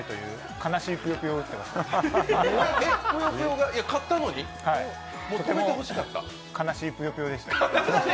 悲しいぷよぷよでした。